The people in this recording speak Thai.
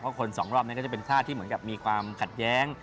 เพราะคนสองรอบนี้ก็จะเป็นชาติที่เหมือนกับมีความขัดแย้ง